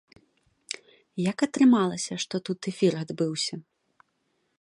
Як атрымалася, што тут эфір адбыўся?